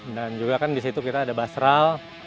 dan juga kan di situ kita ada basral